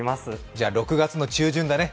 じゃあ、６月の中旬だね。